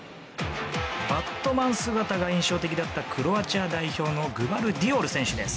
バットマン姿が印象的だったクロアチア代表のグバルディオル選手です。